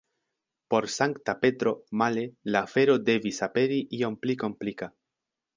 Por Sankta Petro, male, la afero devis aperi iom pli komplika.